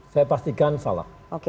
saya pastikan salah